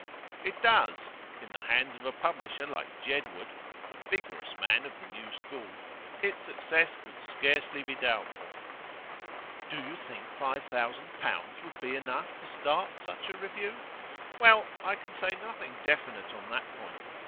'It does. In the hands of a publisher like Jedwood a vigorous man of the new school its success could scarcely be doubtful.' 'Do you think five thousand pounds would be enough to start such a review?' 'Well, I can say nothing definite on that point.